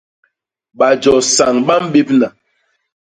Bajo sañ ba mbébna.